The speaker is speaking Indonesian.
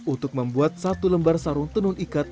untuk membuat satu lembar sarung tenun ikat